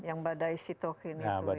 yang badai sitokin itu yang membuat